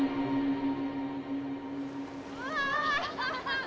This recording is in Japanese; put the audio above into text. うわ！